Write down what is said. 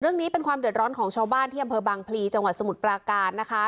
เรื่องนี้เป็นความเดือดร้อนของชาวบ้านที่อำเภอบางพลีจังหวัดสมุทรปราการนะคะ